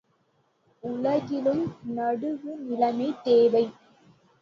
உலகிலும் நடுவு நிலைமை தேவை.